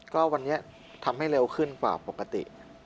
ก็วันนี้ทำให้เร็วขึ้นกว่าปกติ